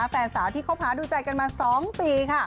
แฟนสาวที่คบ้าดูใจมา๒ปี